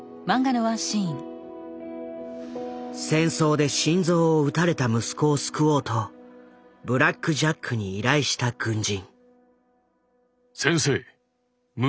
戦争で心臓を撃たれた息子を救おうとブラック・ジャックに依頼した軍人。